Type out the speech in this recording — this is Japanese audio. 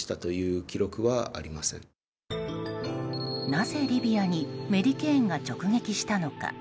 なぜ、リビアにメディケーンが直撃したのか。